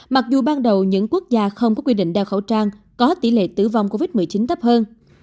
mặc dù ban đầu những quốc gia không có quy định đeo khẩu trang có tỷ lệ tử vong covid một mươi chín thấp hơn